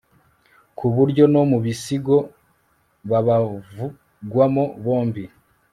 ku buryo no mu bisigo babavugwamo bombi